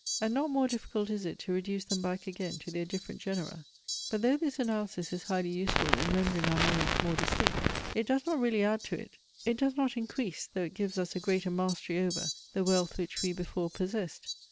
And not more difficult is it to reduce them back again to their different genera. But though this analysis is highly useful in rendering our knowledge more distinct, it does not really add to it. It does not increase, though it gives us a greater mastery over, the wealth which we before possessed.